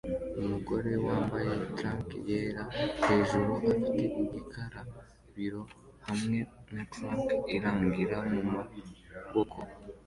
Umugore wambaye tank yera hejuru afite igikarabiro hamwe na tray irangi mumaboko